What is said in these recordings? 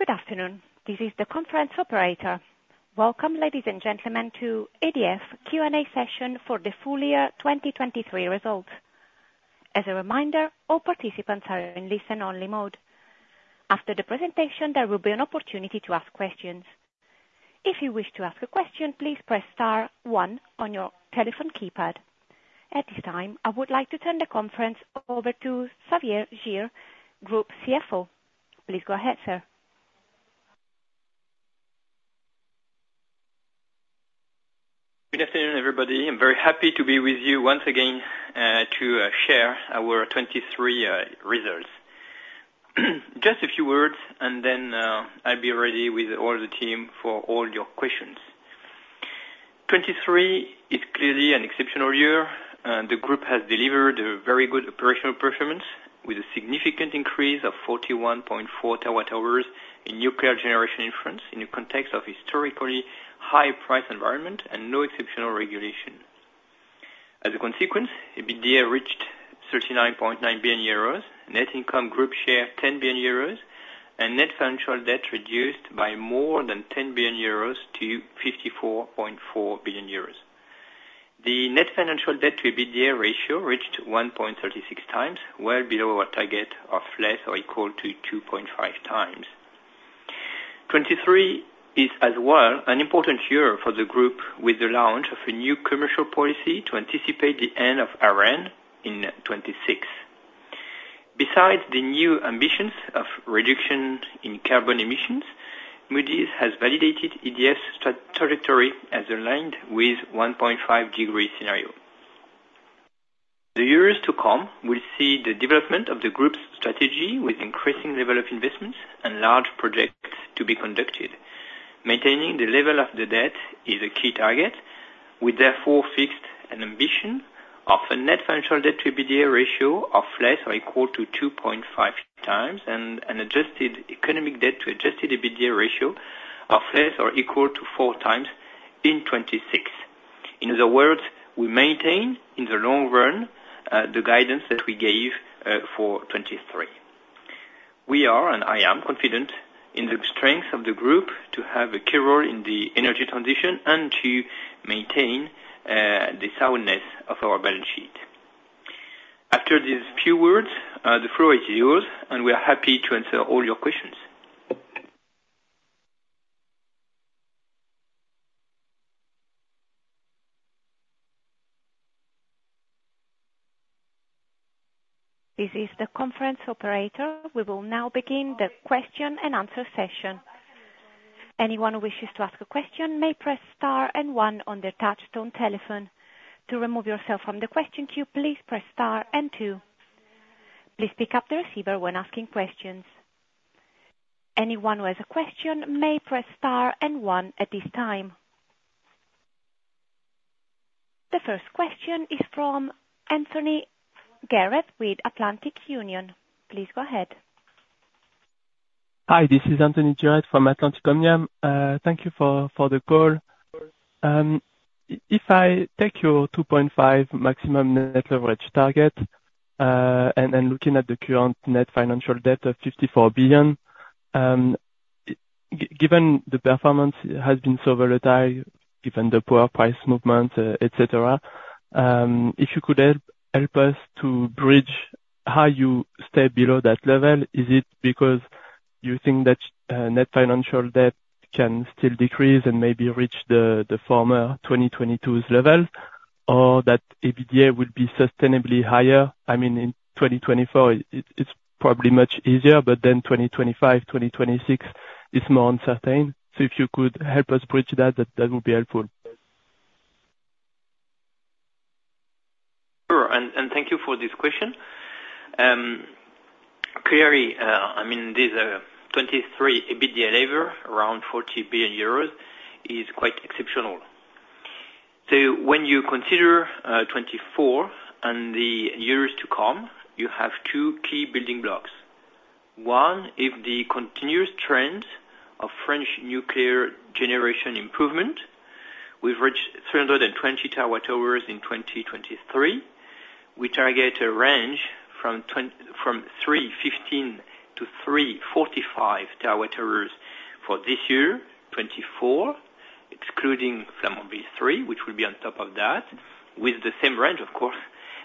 Good afternoon. This is the conference operator. Welcome, ladies and gentlemen, to EDF Q&A session for the full year 2023 results. As a reminder, all participants are in listen-only mode. After the presentation, there will be an opportunity to ask questions. If you wish to ask a question, please press star one on your telephone keypad. At this time, I would like to turn the conference over to Xavier Girre, Group CFO. Please go ahead, sir. Good afternoon, everybody. I'm very happy to be with you once again to share our 2023 results. Just a few words, and then I'll be ready with all the team for all your questions. 2023 is clearly an exceptional year, and the group has delivered a very good operational performance, with a significant increase of 41.4 TWh in nuclear generation in France, in the context of historically high price environment and no exceptional regulation. As a consequence, EBITDA reached 39.9 billion euros, net income group share 10 billion euros, and net financial debt reduced by more than 10 billion euros to 54.4 billion euros. The net financial debt to EBITDA ratio reached 1.36x, well below our target of less or equal to 2.5x. 2023 is as well an important year for the group, with the launch of a new commercial policy to anticipate the end of ARENH in 2026. Besides the new ambitions of reduction in carbon emissions, Moody's has validated EDF's trajectory as aligned with 1.5-degree scenario. The years to come will see the development of the group's strategy, with increasing level of investments and large projects to be conducted. Maintaining the level of the debt is a key target. We therefore fixed an ambition of a net financial debt to EBITDA ratio of less or equal to 2.5x, and an adjusted economic debt to adjusted EBITDA ratio of less or equal to 4x in 2026. In other words, we maintain, in the long run, the guidance that we gave for 2023. We are, and I am confident in the strength of the group to have a key role in the energy transition and to maintain, the soundness of our balance sheet. After these few words, the floor is yours, and we are happy to answer all your questions. This is the conference operator. We will now begin the question and answer session. Anyone who wishes to ask a question, may press star and one on their touchtone telephone. To remove yourself from the question queue, please press star and two. Please pick up the receiver when asking questions. Anyone who has a question may press star and one at this time. The first question is from Anthony Leonard with Atlantic Union. Please go ahead. Hi, this is Anthony Leonard from Atlantic Union. Thank you for the call. If I take your 2.5 maximum net leverage target, and looking at the current net financial debt of 54 billion, given the performance has been so volatile, given the poor price movement, et cetera, if you could help us to bridge how you stay below that level, is it because you think that net financial debt can still decrease and maybe reach the former 2022's level, or that EBITDA will be sustainably higher? I mean, in 2024 it's probably much easier, but then 2025, 2026 is more uncertain. So if you could help us bridge that, that would be helpful. Sure. And thank you for this question. Clearly, I mean, this 2023 EBITDA level, around 40 billion euros, is quite exceptional. So when you consider 2024 and the years to come, you have two key building blocks. One is the continuous trend of French nuclear generation improvement. We've reached 320 TWh in 2023. We target a range from 315-345 TWh for this year, 2024, excluding some of these three, which will be on top of that, with the same range, of course.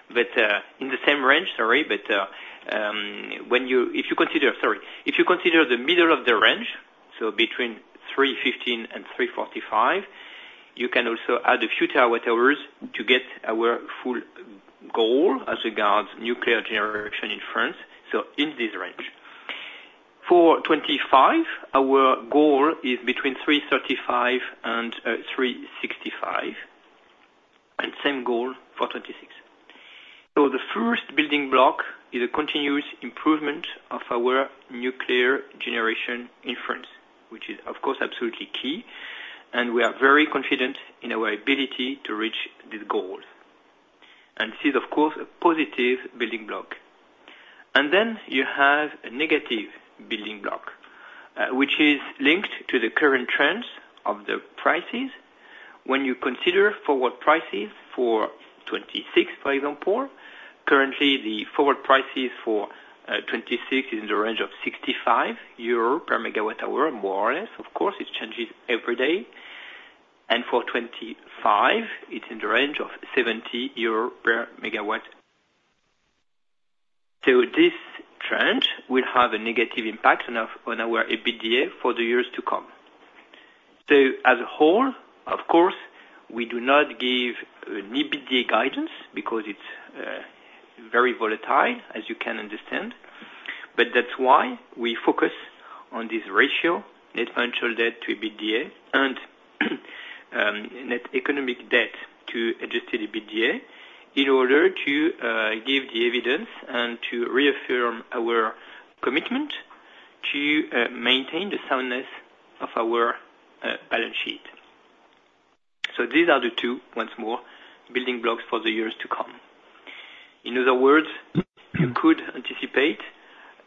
In the same range, if you consider the middle of the range, so between 315 and 345, you can also add a few terawatt hours to get our full goal as regards nuclear generation in France, so in this range. For 2025, our goal is between 335 and 365, and same goal for 2026. The first building block is a continuous improvement of our nuclear generation in France, which is, of course, absolutely key, and we are very confident in our ability to reach this goal. This is, of course, a positive building block. Then you have a negative building block, which is linked to the current trends of the prices. When you consider forward prices for 2026, for example, currently the forward prices for 2026 is in the range of 65 euro per MWh, more or less, of course, it changes every day. And for 2025, it's in the range of 70 euro per MW. So this trend will have a negative impact on our, on our EBITDA for the years to come. So as a whole, of course, we do not give an EBITDA guidance because it's very volatile, as you can understand. But that's why we focus on this ratio, Net Financial Debt to EBITDA and net economic debt to adjusted EBITDA, in order to give the evidence and to reaffirm our commitment to maintain the soundness of our balance sheet. So these are the two, once more, building blocks for the years to come. In other words, you could anticipate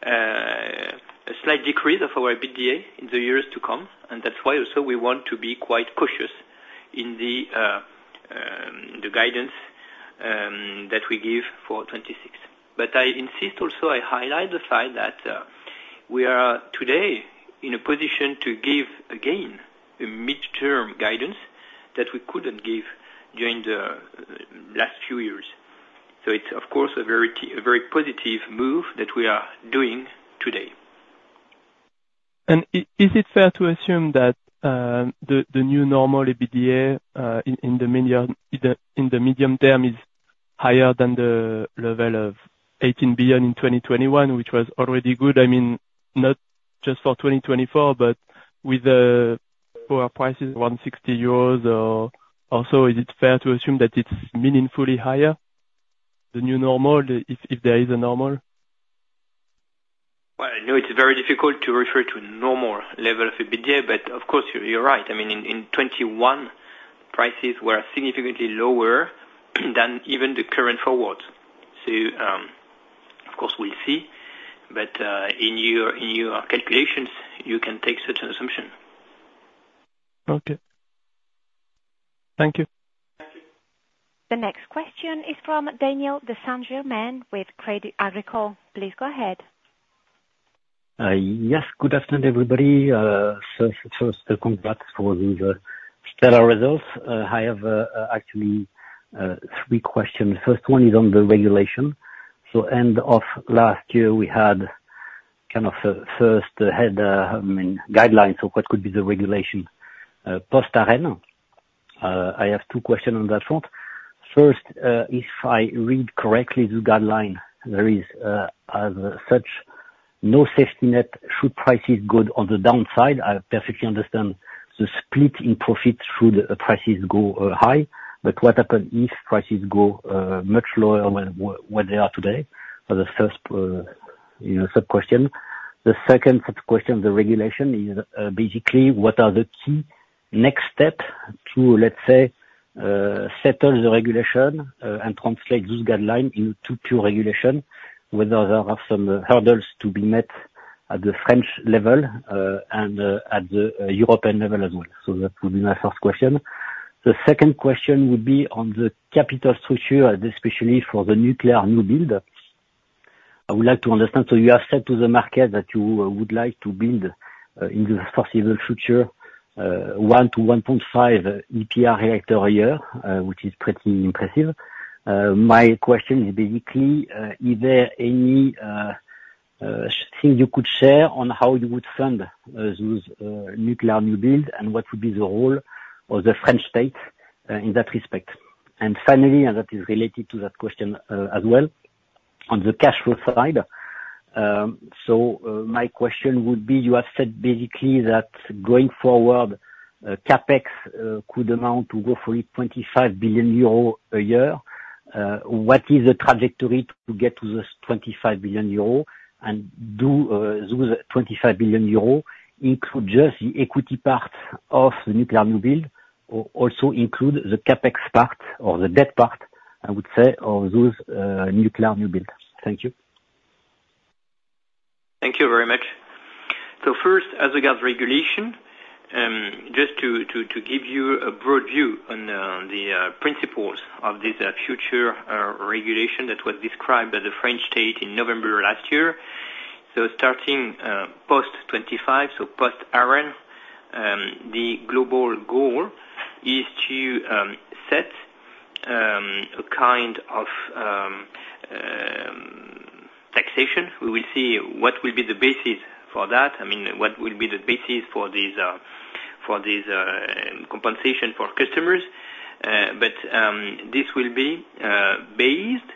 a slight decrease of our EBITDA in the years to come, and that's why also we want to be quite cautious in the guidance that we give for 2026. But I insist also, I highlight the fact that we are today in a position to give again a midterm guidance that we couldn't give during the last few years. So it's, of course, a very positive move that we are doing today. Is it fair to assume that the new normal EBITDA in the medium term is higher than the level of 18 billion in 2021, which was already good? I mean, not just for 2024, but with the power prices, 160 euros or so, is it fair to assume that it's meaningfully higher, the new normal, if there is a normal? Well, I know it's very difficult to refer to normal level of EBITDA, but of course, you're right. I mean, in 2021, prices were significantly lower than even the current forward. So, of course, we'll see. But, in your calculations, you can take such an assumption. Okay. Thank you. Thank you. The next question is from Damien de Saint-Germain with Crédit Agricole. Please go ahead. Yes, good afternoon, everybody. So, first, for the stellar results. I have, actually, three questions. First one is on the regulation. So end of last year, we had kind of a first header, I mean, guidelines of what could be the regulation, post-ARENH. I have two questions on that front. First, if I read correctly, the guideline, there is, as such, no safety net should prices go on the downside. I perfectly understand the split in profits should prices go high, but what happens if prices go much lower than where they are today? For the first, you know, sub-question. The second sub-question, the regulation is, basically, what are the key next step to, let's say, settle the regulation, and translate this guideline into pure regulation, whether there are some hurdles to be met at the French level, and, at the European level as well? So that would be my first question. The second question would be on the capital structure, especially for the nuclear new build. I would like to understand, so you have said to the market that you would like to build, in the foreseeable future, one to 1.5 EPR reactor a year, which is pretty impressive. My question is basically, is there any, things you could share on how you would fund, those, nuclear new build, and what would be the role of the French state, in that respect? And finally, and that is related to that question, as well, on the cash flow side. So, my question would be, you have said basically that going forward, CapEx could amount to roughly 25 billion euro a year. What is the trajectory to get to this 25 billion euro? And do those 25 billion euro include just the equity part of the nuclear new build, or also include the CapEx part or the debt part, I would say, of those nuclear new build? Thank you. Thank you very much. First, as regards regulation, just to give you a broad view on the principles of this future regulation that was described by the French state in November last year. Starting post-2025, so post-ARENH, the global goal is to set a kind of taxation. We will see what will be the basis for that. I mean, what will be the basis for this compensation for customers. But this will be based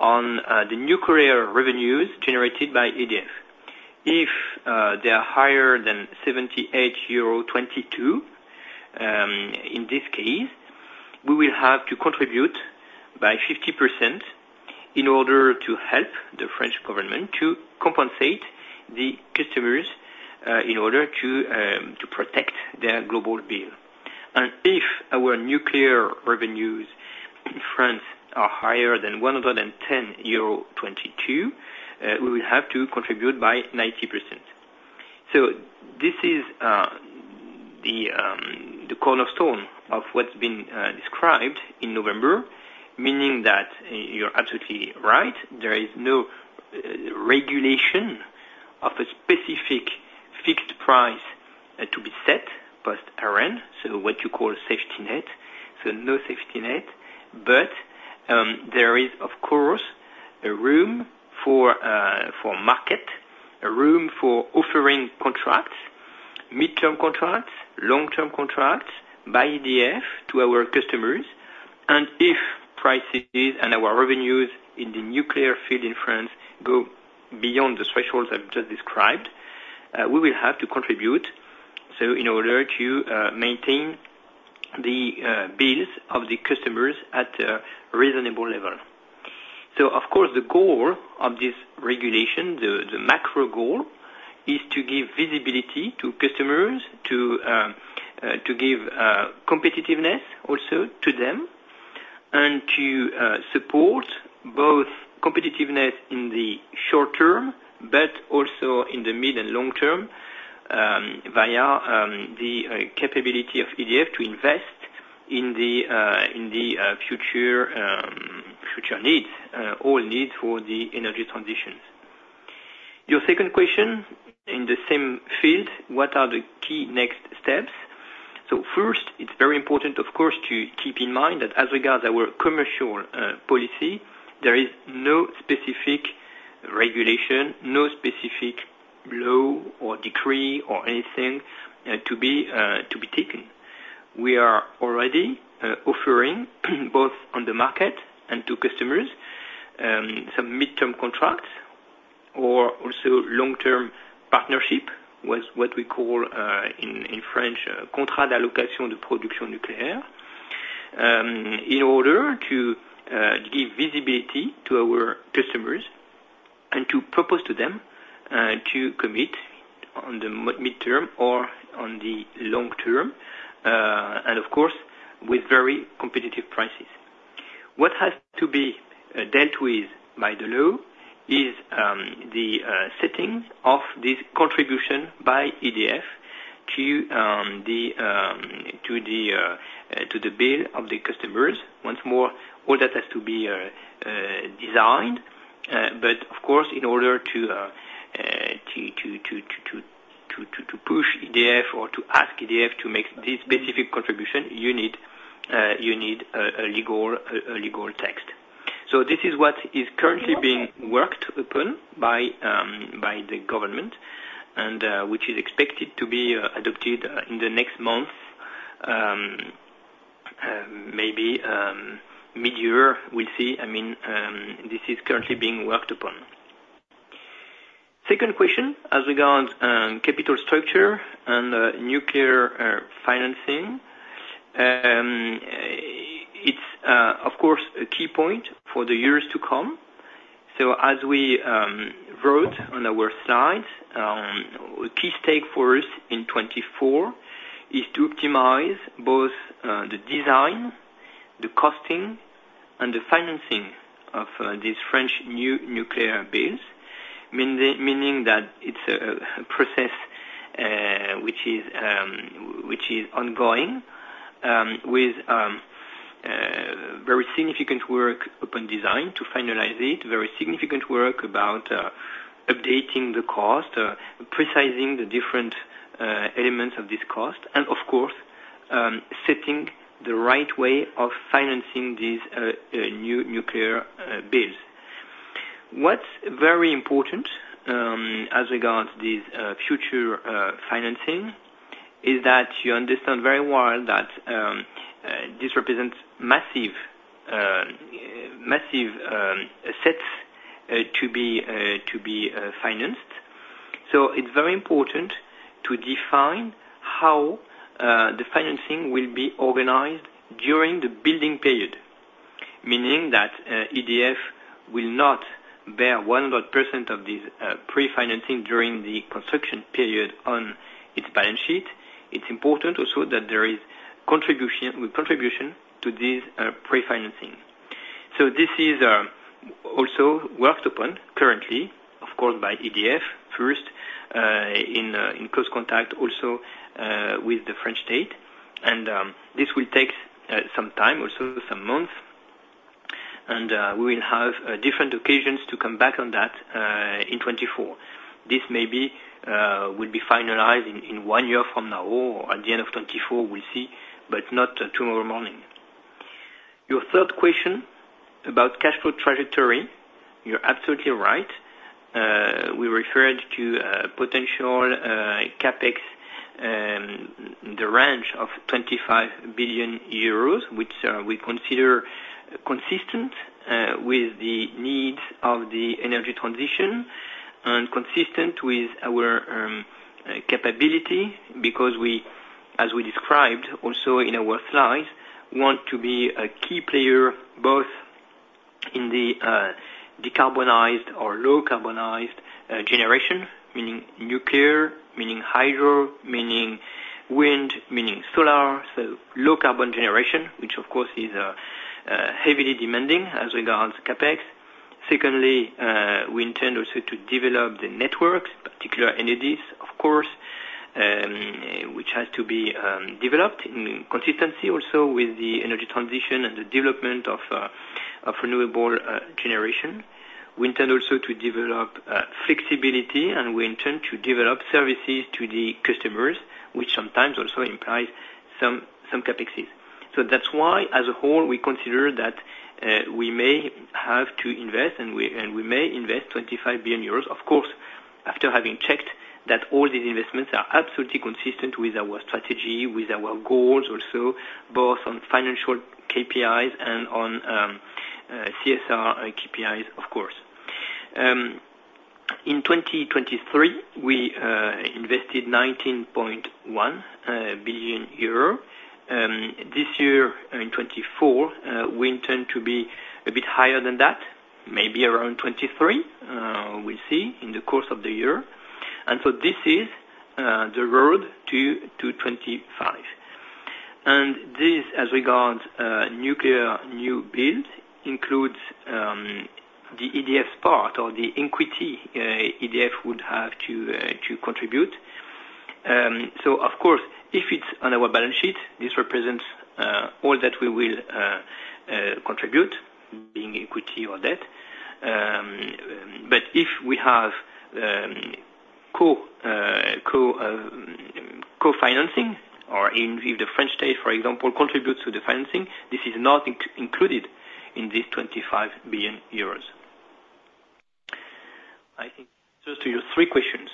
on the nuclear revenues generated by EDF. If they are higher than 78.22 euro, in this case, we will have to contribute by 50% in order to help the French government to compensate the customers in order to protect their global bill. And if our nuclear revenues in France are higher than 110.22 euro, we will have to contribute by 90%.... So this is the cornerstone of what's been described in November, meaning that you're absolutely right. There is no regulation of a specific fixed price to be set by the ARENH, so what you call a safety net. So no safety net, but there is of course a room for market, a room for offering contracts, midterm contracts, long-term contracts by EDF to our customers. And if prices and our revenues in the nuclear field in France go beyond the thresholds I've just described, we will have to contribute, so in order to maintain the bills of the customers at a reasonable level. So of course, the goal of this regulation, the macro goal, is to give visibility to customers, to give competitiveness also to them, and to support both competitiveness in the short term, but also in the mid and long term, via the capability of EDF to invest in the future needs, all needs for the energy transitions. Your second question in the same field, what are the key next steps? So first, it's very important, of course, to keep in mind that as regards our commercial policy, there is no specific regulation, no specific law or decree or anything to be taken. We are already offering both on the market and to customers some midterm contracts or also long-term partnership with what we call in French Contrat d'Allocation de Production Nucléaire. In order to give visibility to our customers and to propose to them to commit on the midterm or on the long term and of course with very competitive prices. What has to be dealt with by the law is the setting of this contribution by EDF to the bill of the customers. Once more, all that has to be designed, but of course, in order to push EDF or to ask EDF to make this specific contribution, you need a legal text. So this is what is currently being worked upon by the government, and which is expected to be adopted in the next month, maybe midyear, we'll see. I mean, this is currently being worked upon. Second question, as regards capital structure and nuclear financing. It's of course a key point for the years to come. So as we wrote on our slides, a key stake for us in 2024 is to optimize both the design, the costing, and the financing of these French new nuclear builds. Meaning, meaning that it's a process which is ongoing with very significant work upon design to finalize it, very significant work about updating the cost, specifying the different elements of this cost, and of course setting the right way of financing these new nuclear builds. What's very important as regards this future financing is that you understand very well that this represents massive assets to be financed. So it's very important to define how the financing will be organized during the building period. Meaning that, EDF will not bear 100% of these pre-financing during the construction period on its balance sheet. It's important also that there is contribution, contribution to this pre-financing. So this is also worked upon currently, of course, by EDF first, in close contact also with the French State. This will take some time, also some months, and we will have different occasions to come back on that in 2024. This maybe will be finalized in one year from now or at the end of 2024, we'll see, but not tomorrow morning. Your third question about cash flow trajectory, you're absolutely right. We referred to potential CapEx in the range of 25 billion euros, which we consider consistent with the needs of the energy transition, and consistent with our capability. Because we, as we described also in our slides, want to be a key player, both in the decarbonized or low carbonized generation, meaning nuclear, meaning hydro, meaning wind, meaning solar. So low carbon generation, which of course is heavily demanding as regards CapEx. Secondly, we intend also to develop the networks, particular energies, of course, which has to be developed in consistency also with the energy transition and the development of renewable generation. We intend also to develop flexibility, and we intend to develop services to the customers, which sometimes also implies some CapExes. So that's why, as a whole, we consider that we may have to invest, and we may invest 25 billion euros. Of course, after having checked that all these investments are absolutely consistent with our strategy, with our goals, also, both on financial KPIs and on CSR KPIs, of course. In 2023, we invested 19.1 billion euro. This year, in 2024, we intend to be a bit higher than that, maybe around 23, we'll see in the course of the year. And so this is the road to 25. And this, as regards nuclear new build, includes the EDF part or the equity EDF would have to contribute. So of course, if it's on our balance sheet, this represents all that we will contribute, being equity or debt. But if we have co-financing, or if the French state, for example, contributes to the financing, this is not included in this 25 billion euros. I think just to your three questions?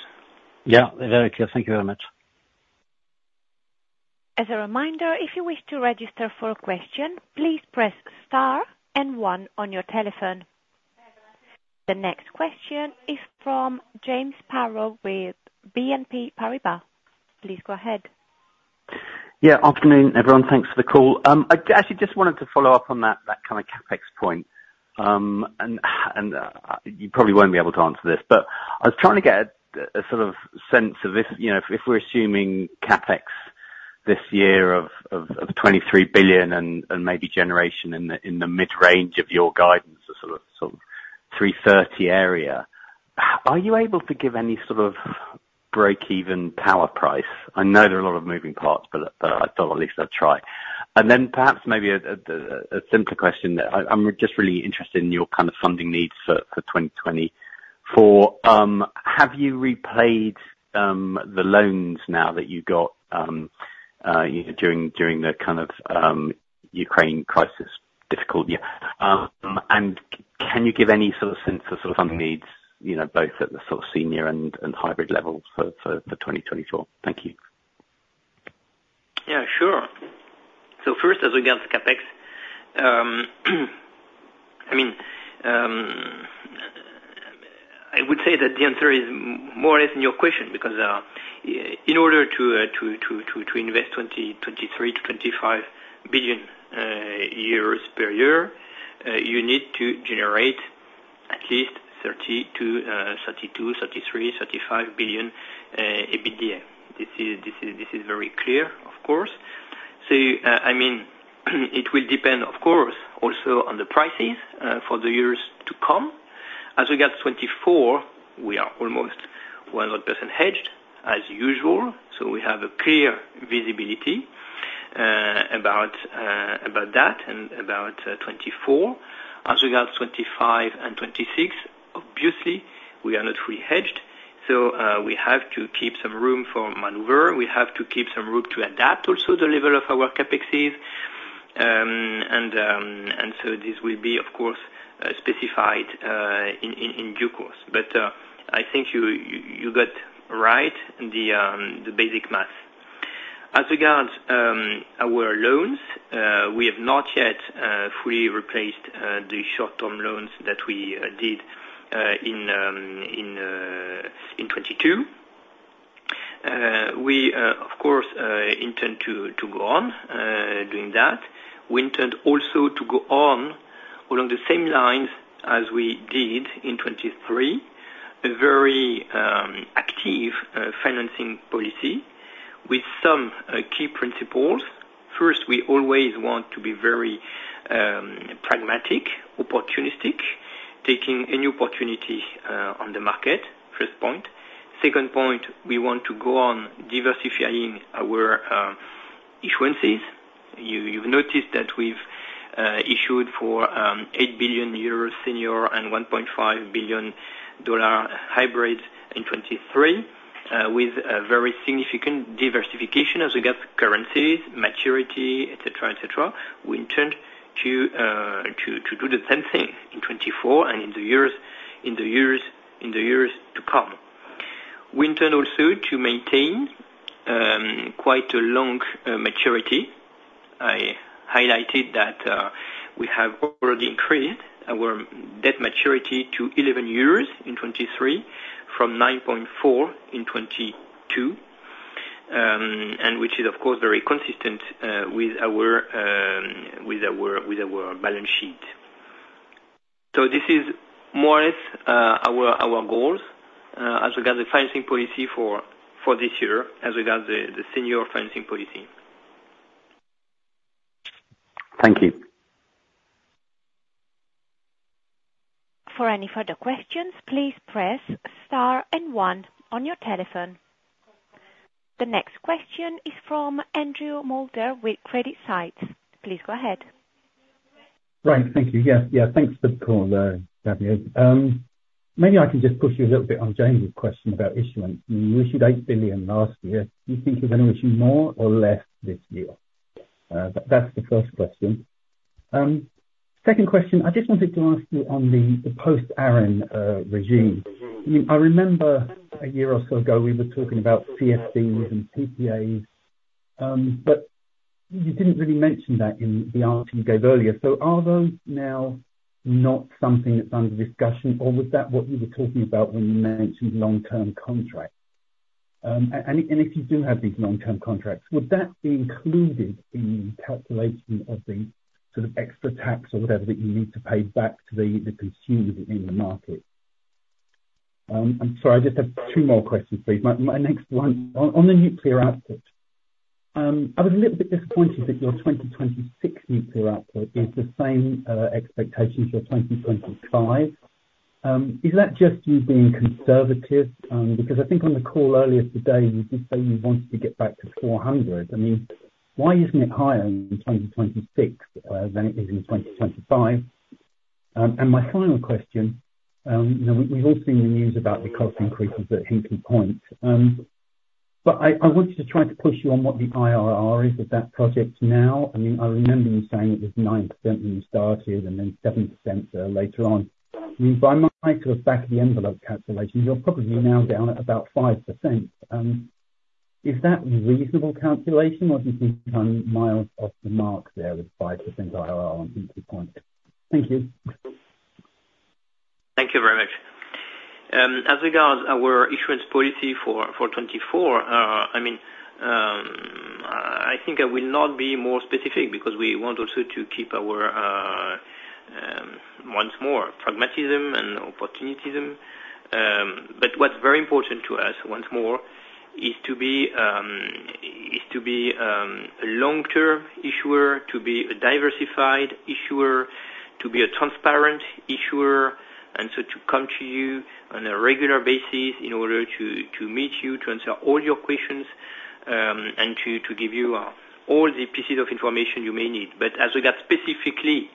Yeah, very clear. Thank you very much. As a reminder, if you wish to register for a question, please press star and one on your telephone. The next question is from James Barrett, with BNP Paribas. Please go ahead. Yeah, afternoon, everyone. Thanks for the call. I actually just wanted to follow up on that, that kind of CapEx point. And you probably won't be able to answer this, but I was trying to get a sort of sense of this, you know, if we're assuming CapEx this year of 23 billion and maybe generation in the mid-range of your guidance, a sort of 330 area, are you able to give any sort of breakeven power price? I know there are a lot of moving parts, but I thought at least I'd try. And then perhaps maybe a simpler question that I'm just really interested in your kind of funding needs for 2024. Have you repaid the loans now that you got during the kind of Ukraine crisis, difficult year? Can you give any sort of sense of sort of funding needs, you know, both at the sort of senior and hybrid level for 2024? Thank you. Yeah, sure. So first, as regards to CapEx, I mean, I would say that the answer is more or less in your question, because in order to invest 23 billion-25 billion euros per year, you need to generate at least 30 billion-35 billion EBITDA. This is very clear, of course. So, I mean, it will depend, of course, also on the prices for the years to come. As we get 2024, we are almost 100% hedged, as usual, so we have a clear visibility about that, and about 2024. As regards 2025 and 2026, obviously, we are not fully hedged, so we have to keep some room for maneuver, we have to keep some room to adapt also the level of our CapExes. And so this will be, of course, specified in due course. But I think you got right the basic math. As regards our loans, we have not yet fully replaced the short-term loans that we did in 2022. We of course intend to go on doing that. We intend also to go on along the same lines as we did in 2023, a very active financing policy with some key principles. First, we always want to be very pragmatic, opportunistic, taking any opportunity on the market, first point. Second point, we want to go on diversifying our issuances. You've noticed that we've issued for 8 billion euros senior and $1.5 billion hybrid in 2023, with a very significant diversification as we got currencies, maturity, et cetera, et cetera. We intend to do the same thing in 2024 and in the years to come. We intend also to maintain quite a long maturity. I highlighted that we have already increased our debt maturity to 11 years in 2023, from 9.4 in 2022. And which is, of course, very consistent with our balance sheet. So this is more or less our goals as regards the financing policy for this year, as regards the senior financing policy... Thank you. For any further questions, please press star and one on your telephone. The next question is from Andrew Moulder with CreditSights. Please go ahead. Right. Thank you. Yeah, yeah, thanks for the call, Xavier. Maybe I can just push you a little bit on Jame's question about issuance. You issued 8 billion last year. Do you think you're gonna issue more or less this year? That's the first question. Second question, I just wanted to ask you on the post-ARENH regime. I mean, I remember a year or so ago, we were talking about CFDs and PPAs, but you didn't really mention that in the answer you gave earlier. So are those now not something that's under discussion, or was that what you were talking about when you mentioned long-term contracts? And if you do have these long-term contracts, would that be included in calculation of the sort of extra tax or whatever, that you need to pay back to the consumers in the market? I'm sorry, I just have two more questions for you. My next one, on the nuclear output. I was a little bit disappointed that your 2026 nuclear output is the same expectation for 2025. Is that just you being conservative? Because I think on the call earlier today, you did say you wanted to get back to 400. I mean, why isn't it higher in 2026 than it is in 2025? And my final question, you know, we've all seen the news about the cost increases at Hinkley Point. But I wanted to try to push you on what the IRR is of that project now. I mean, I remember you saying it was 9% when you started and then 7% later on. I mean, by my sort of back-of-the-envelope calculation, you're probably now down at about 5%. Is that reasonable calculation, or do you think I'm miles off the mark there, with 5% IRR on Hinkley Point? Thank you. Thank you very much. As regards our issuance policy for 2024, I mean, I think I will not be more specific, because we want also to keep our once more pragmatism and opportunism. But what's very important to us, once more, is to be a long-term issuer, to be a diversified issuer, to be a transparent issuer, and so to come to you on a regular basis in order to meet you, to answer all your questions, and to give you all the pieces of information you may need. But as we got specifically,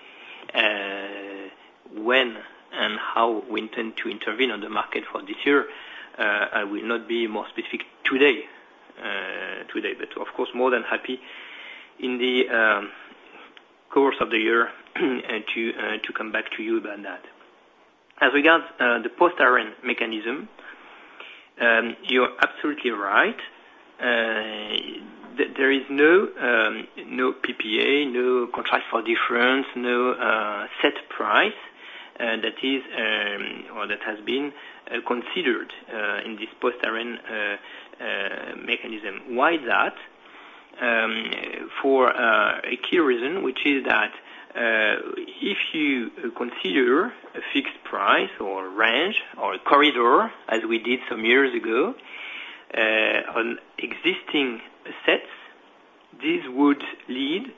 when and how we intend to intervene on the market for this year, I will not be more specific today, today, but of course, more than happy in the, course of the year, to, to come back to you about that. As regards, the post-ARENH mechanism, you're absolutely right. There is no, no PPA, no contract for difference, no, set price, that is, or that has been, considered, in this post-ARENH, mechanism. Why is that? For, a key reason, which is that, if you consider a fixed price, or range, or a corridor, as we did some years ago, on existing assets, this would lead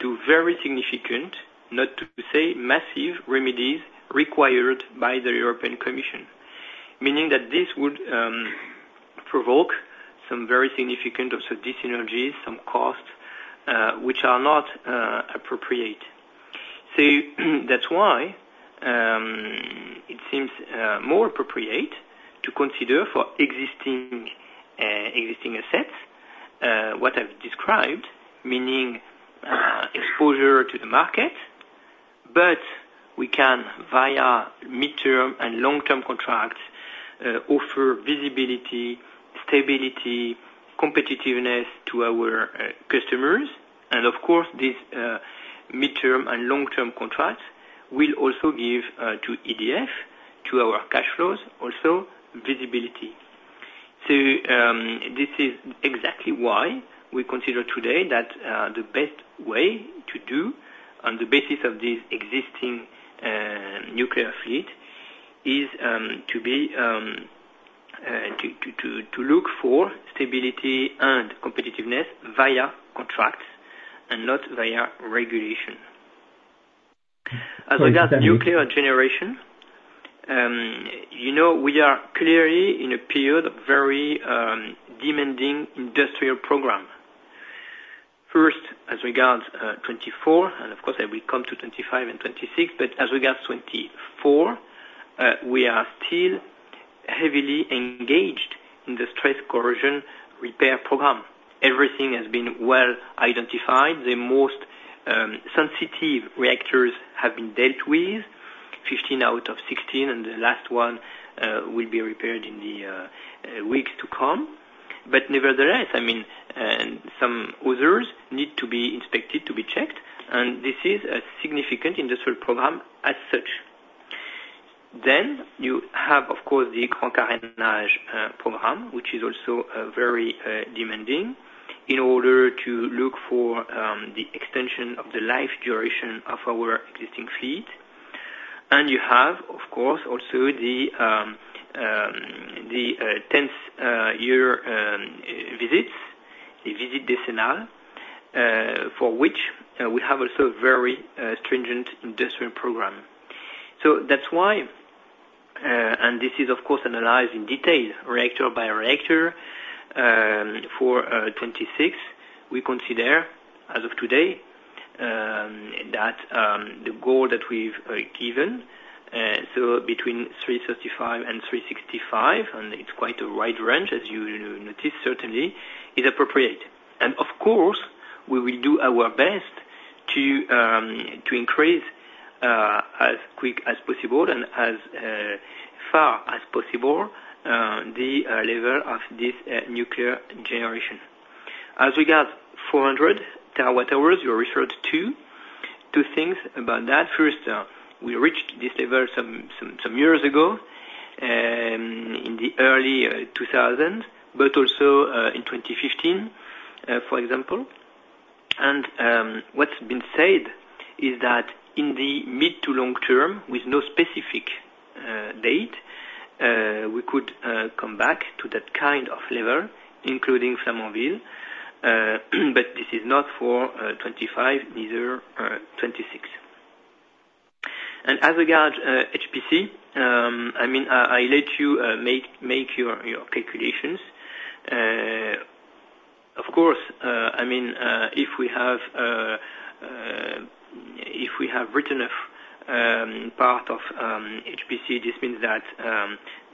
to very significant, not to say massive, remedies required by the European Commission. Meaning that this would provoke some very significant of synergies, some costs, which are not appropriate. So that's why it seems more appropriate to consider for existing assets what I've described, meaning exposure to the market, but we can via midterm and long-term contracts offer visibility, stability, competitiveness to our customers. And of course, this midterm and long-term contracts will also give to EDF, to our cash flows, also visibility. So this is exactly why we consider today that the best way to do on the basis of this existing nuclear fleet is to look for stability and competitiveness via contracts and not via regulation. As regards nuclear generation, you know, we are clearly in a period of very demanding industrial program. First, as regards 2024, and of course I will come to 2025 and 2026, but as regards 2024, we are still heavily engaged in the stress corrosion repair program. Everything has been well identified. The most sensitive reactors have been dealt with, 15 out of 16, and the last one will be repaired in the weeks to come. But nevertheless, I mean, some others need to be inspected, to be checked, and this is a significant industrial program as such. Then you have, of course, the Grand Carénage program, which is also a very demanding, in order to look for the extension of the life duration of our existing fleet. And you have, of course, also the 10th year visits. The Visite Décennale, for which we have also very stringent industrial program. So that's why, and this is, of course, analyzed in detail, reactor by reactor, for 2026. We consider, as of today, that the goal that we've given, so between 335 and 365, and it's quite a wide range, as you notice, certainly, is appropriate. And of course, we will do our best to increase, as quick as possible and as far as possible, the level of this nuclear generation. As we got 400 TWh you referred to, two things about that. First, we reached this level some years ago, in the early 2000, but also, in 2015, for example. What's been said is that in the mid to long term, with no specific date, we could come back to that kind of level, including Flamanville, but this is not for 2025, neither 2026. As regards HPC, I mean, I let you make your calculations. Of course, I mean, if we have written off a part of HPC, this means that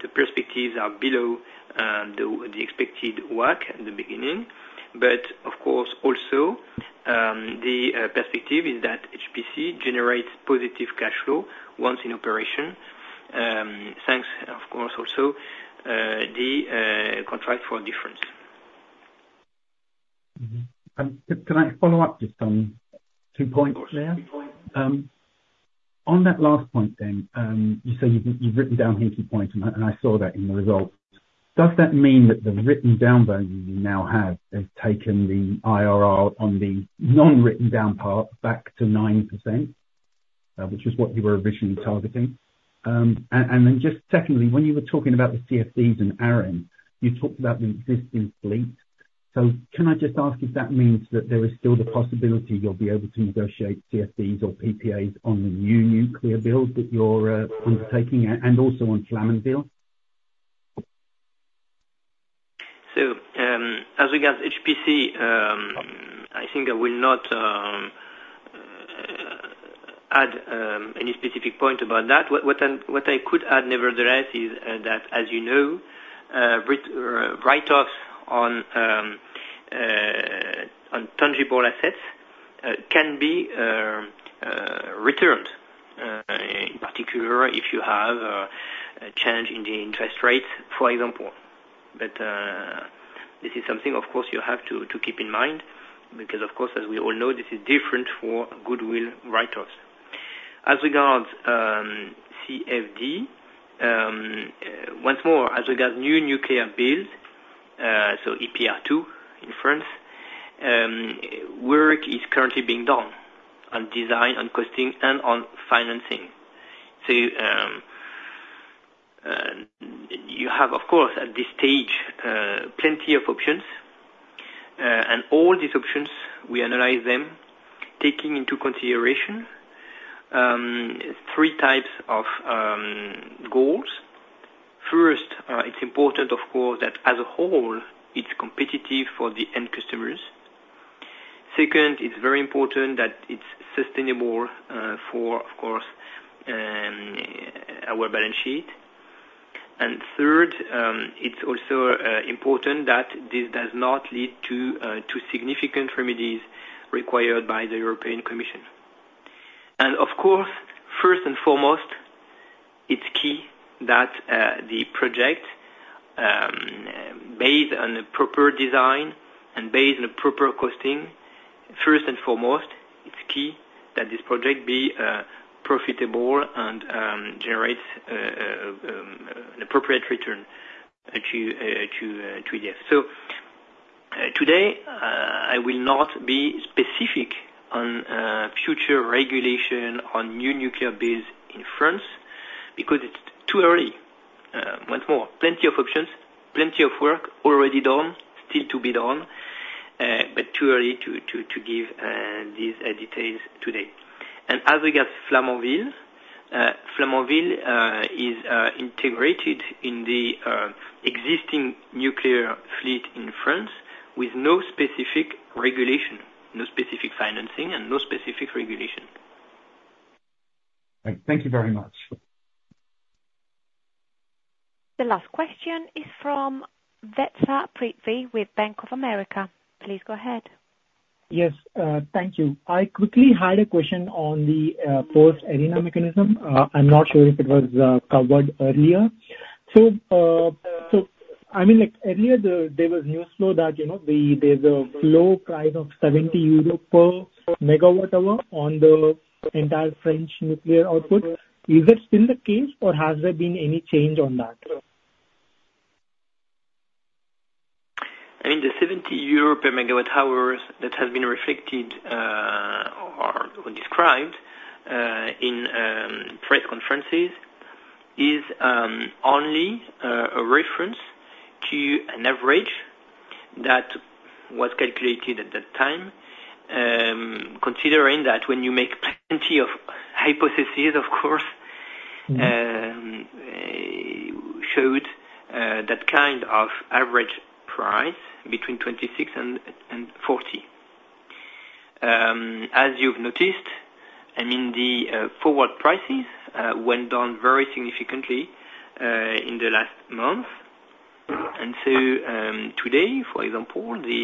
the perspectives are below the expected work in the beginning. But of course, also, the perspective is that HPC generates positive cash flow once in operation, thanks, of course, also, the contract for difference. Mm-hmm. Can I follow up just on two points there? Of course. On that last point then, you said you've written down 20 points, and I saw that in the results. Does that mean that the written down value you now have has taken the IRR on the non-written down part back to 9%? Which is what you were originally targeting. And then just secondly, when you were talking about the CFDs and ARENH, you talked about the existing fleet. So can I just ask if that means that there is still the possibility you'll be able to negotiate CFDs or PPAs on the new nuclear builds that you're undertaking, and also on Flamanville? So, as regards HPC, I think I will not add any specific point about that. What I could add, nevertheless, is that, as you know, write-offs on tangible assets can be returned, in particular, if you have a change in the interest rates, for example. But this is something, of course, you have to keep in mind, because of course, as we all know, this is different for goodwill write-offs. As regards CFD, once more, as regards new nuclear build, so EPR2, in France, work is currently being done on design, on costing, and on financing. So you have, of course, at this stage, plenty of options. All these options, we analyze them, taking into consideration three types of goals. First, it's important, of course, that as a whole, it's competitive for the end customers. Second, it's very important that it's sustainable for, of course, our balance sheet. And third, it's also important that this does not lead to significant remedies required by the European Commission. And of course, first and foremost, it's key that the project, based on the proper design and based on the proper costing, first and foremost, it's key that this project be profitable and generate an appropriate return to this. So, today, I will not be specific on future regulation on new nuclear builds in France, because it's too early. Once more, plenty of options, plenty of work already done, still to be done, but too early to give these details today. And as we got Flamanville, Flamanville is integrated in the existing nuclear fleet in France, with no specific regulation, no specific financing, and no specific regulation. Thank you very much. The last question is from Vetsa Prithvi, with Bank of America. Please go ahead. Yes, thank you. I quickly had a question on the ARENH mechanism. I'm not sure if it was covered earlier. So, so I mean, like earlier, there was news though, that, you know, there's a low price of 70 euro per MWh on the entire French nuclear output. Is that still the case, or has there been any change on that? ... Europe megawatt hours that has been reflected, or described, in press conferences, is only a reference to an average that was calculated at that time. Considering that when you make plenty of hypotheses, of course, showed that kind of average price between 26 and 40. As you've noticed, I mean, the forward prices went down very significantly in the last month. And so, today, for example, the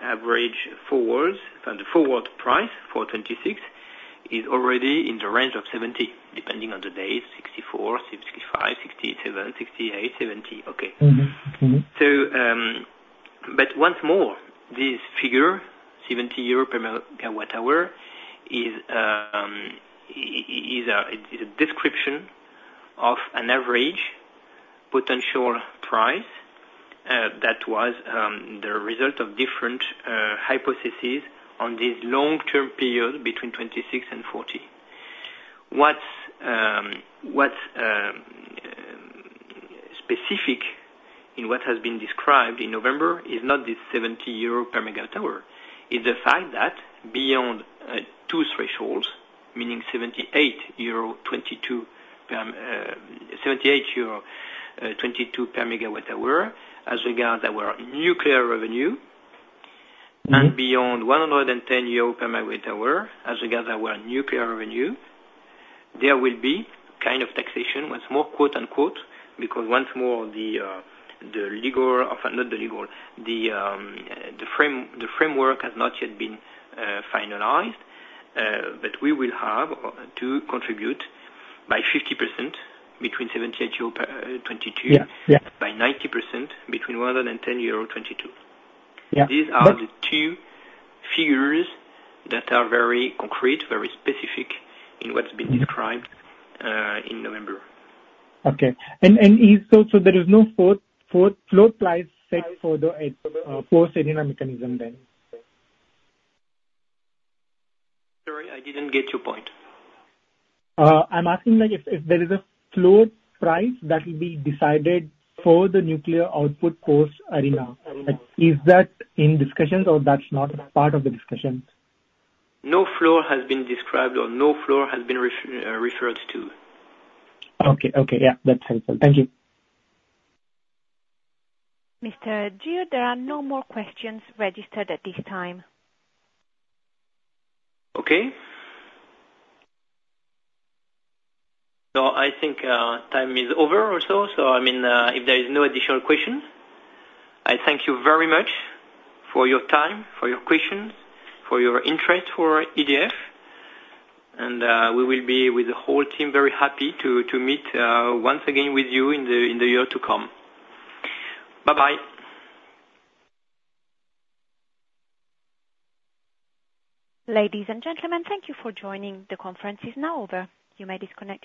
average forwards, and the forward price for 2026, is already in the range of 70, depending on the day, 64, 65, 67, 68, 70. Okay. Mm-hmm, mm-hmm. But once more, this figure, 70 euro per megawatt hour, is a description of an average potential price that was the result of different hypotheses on this long-term period between 2026 and 2040. What specific in what has been described in November is not the 70 euro per megawatt hour. Is the fact that beyond two thresholds, meaning 78 euro, 22 gram, 78 euro, 22 per megawatt hour, as regards our nuclear revenue. Mm-hmm. Beyond EUR 110 per megawatt hour, as regards our nuclear revenue, there will be kind of taxation, once more, quote unquote, because once more, the legal, often not the legal, the framework has not yet been finalized. But we will have to contribute by 50% between 78 euro per 2022. Yeah, yeah. By 90% between 110-22 euro. Yeah, but- These are the two figures that are very concrete, very specific, in what's been described- Mm-hmm... in November. Okay. And is so there is no floor price set for the post-ARENH mechanism then? Sorry, I didn't get your point. I'm asking like if there is a floor price that will be decided for the nuclear output post-ARENH? Is that in discussions or that's not part of the discussions? No floor has been described or no floor has been referred to. Okay, okay. Yeah, that's helpful. Thank you. Mr. Girre, there are no more questions registered at this time. Okay. So I think time is over or so, so I mean, if there is no additional questions, I thank you very much for your time, for your questions, for your interest in EDF, and we will be, with the whole team, very happy to meet once again with you in the year to come. Bye-bye. Ladies and gentlemen, thank you for joining. The conference is now over. You may disconnect.